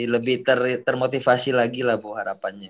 lebih termotivasi lagi lah bu harapannya